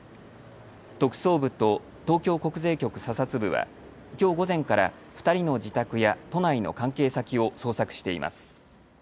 特捜部と東京国税局査察部はきょう午前から２人の自宅や都内の関係先を捜索しています。